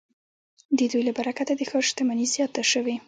د دوی له برکته د ښار شتمني زیاته شوې.